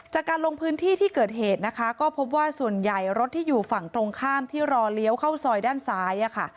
จากการลงพื้นที่ที่เกิดเหตุนะคะก็พบว่าส่วนใหญ่รถที่อยู่ฝั่งตรงข้ามที่รอเลี้ยวเข้าซอยด้านซ้ายอะค่ะ